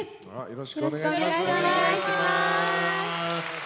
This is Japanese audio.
よろしくお願いします。